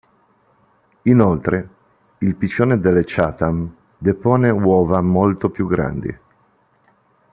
Inoltre, il piccione delle Chatham depone uova molto più grandi.